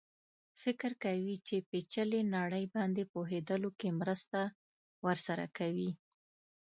فکر کوي چې پېچلې نړۍ باندې پوهېدلو کې مرسته ورسره کوي.